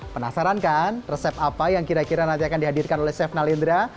penasaran kan resep apa yang kira kira nanti akan dihadirkan oleh chef nalindra